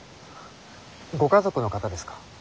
ご家族の方ですか？